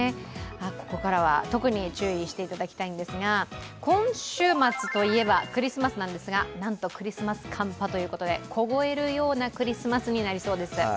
ここからは特に注意していただきたいんですが今週末といえばクリスマスなんですが、なんとクリスマス寒波ということで、凍えるようなクリスマスになりそうです。